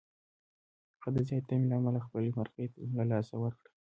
هغه د زیاتې تمې له امله خپله مرغۍ له لاسه ورکړه.